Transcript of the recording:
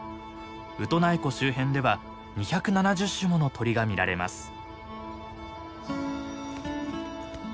ウトナイ湖周辺では２７０種もの鳥が見られます。